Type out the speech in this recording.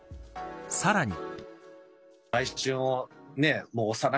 さらに。